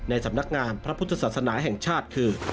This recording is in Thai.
สำนักงานพระพุทธศาสนาแห่งชาติคือ